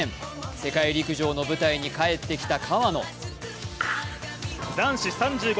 世界陸上の舞台に帰ってきた川野。